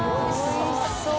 おいしそう。